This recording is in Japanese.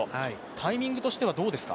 タイミングとしてはどうですか。